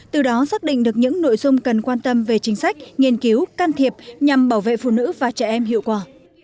từ đó xác định được những nội dung cần quan tâm về chính sách nghiên cứu can thiệp nhằm bảo vệ phụ nữ và trẻ em hiệu quả